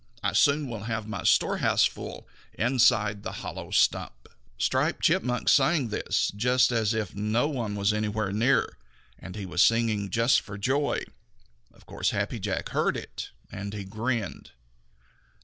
I soon will have my storehouse full Inside the hollow stump." Striped Chipmunk sang this just as if no one was anywhere near, and he was singing just for joy. Of course Happy Jack heard it and he grinned.